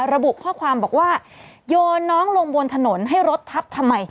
ระบุข้อความบอกว่าโยนน้องลงบนถนนให้รถทับทำไม